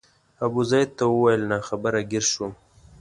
ابوزید ته وویل ناخبره ګیر شوم.